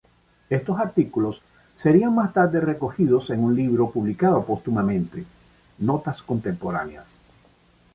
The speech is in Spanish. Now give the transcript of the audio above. Estos artículos serían más tarde recogidos en un libro publicado póstumamente, "Notas contemporáneas".